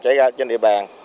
chạy ra trên địa bàn